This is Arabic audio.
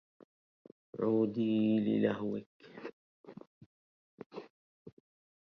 عودي للهوكِ